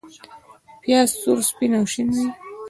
پیاز سور، سپین او شین وي